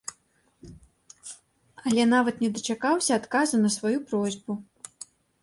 Але нават не дачакаўся адказу на сваю просьбу.